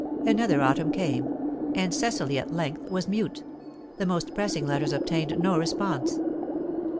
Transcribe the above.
Another autumn came, and Cecily at length was mute; the most pressing letters obtained no response.